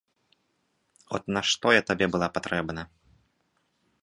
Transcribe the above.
От на што я табе была патрэбна.